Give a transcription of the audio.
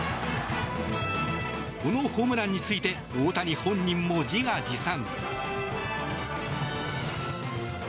このホームランについて大谷本人も自画自賛。